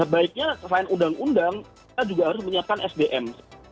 baiknya selain undang undang kita juga harus menyiapkan sdm